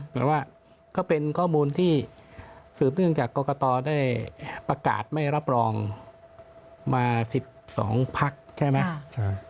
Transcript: แต่ว่าก็เป็นข้อมูลที่สืบเนื่องจากกรกตได้ประกาศไม่รับรองมา๑๒พักใช่ไหม